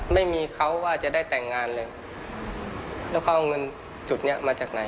ไม่มีเขาว่าจะได้แต่งงานเลยแล้วเขาเอาเงินจุดเนี้ยมาจากไหน